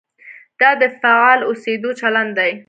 دا د فعال اوسېدو چلند دی.